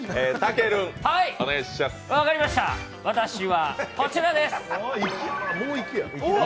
私はこちらです。